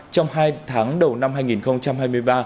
trong hai tháng đầu năm hai nghìn hai mươi ba